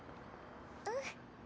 うん。